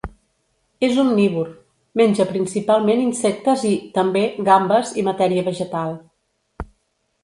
És omnívor: menja principalment insectes i, també, gambes i matèria vegetal.